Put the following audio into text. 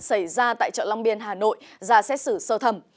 xảy ra tại chợ long biên hà nội ra xét xử sơ thẩm